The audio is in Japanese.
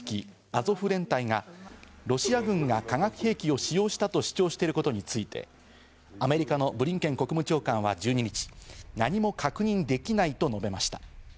アゾフ連隊がロシア軍が化学兵器を使用したと主張していることについてアメリカのブリンケン国務長官は１２日、何も確認できないと述べました。